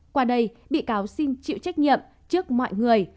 qua đây bị cáo xin chịu trách nhiệm trước mọi người